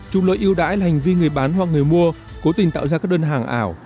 chúng lợi yêu đãi là hành vi người bán hoặc người mua cố tình tạo ra các đơn hàng ảo